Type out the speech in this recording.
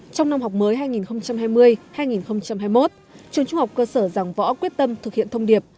trong năm học mới hai nghìn hai mươi hai nghìn hai mươi một trường trung học cơ sở giảng võ quyết tâm thực hiện thông điệp